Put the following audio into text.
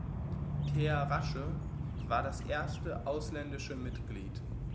Thea Rasche war das erste ausländische Mitglied.